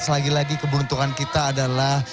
selagi lagi keberuntungan kita adalah